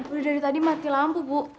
udah dari tadi mati lampu bu